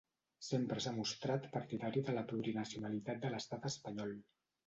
Sempre s'ha mostrat partidari de la plurinacionalitat de l'Estat espanyol.